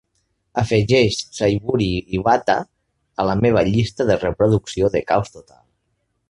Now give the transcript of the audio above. Afegeix Sayuri Iwata a la meva llista de reproducció de caos total.